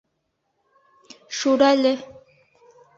Шүрәле: